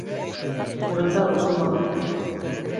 Урында уҡымағыҙ